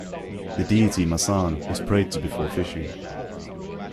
The deity "Masan" is prayed to before fishing.